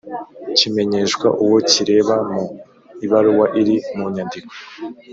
kimenyeshwa uwo kireba mu ibaruwa iri munyandiko